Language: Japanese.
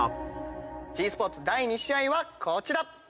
ｇスポーツ第２試合はこちら！